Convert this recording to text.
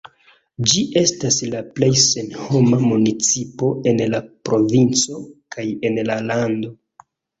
Ĝi estas la plej senhoma municipo en la provinco kaj en la lando.